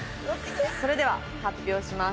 それでは発表します